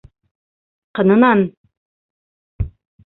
Ҡынынан!